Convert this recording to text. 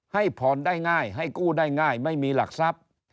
ให้ผ่อนได้ง่ายให้กู้ได้ง่ายไม่มีหลักทรัพย์